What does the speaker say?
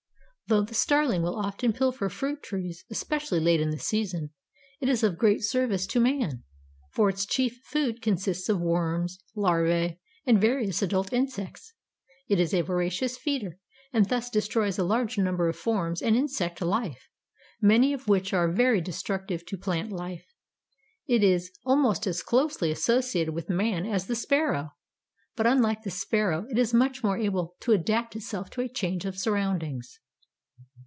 Though the Starling will often pilfer fruit trees, especially late in the season, it is of great service to man, for its chief food consists of worms, larvae and various adult insects. It is a voracious feeder and thus destroys a large number of forms of insect life, many of which are very destructive to plant life. It "is almost as closely associated with man as the sparrow," but unlike the sparrow it is much more able to adapt itself to a change of surroundings.